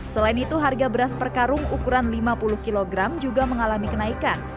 selain itu harga beras per karung ukuran lima puluh kg juga mengalami kenaikan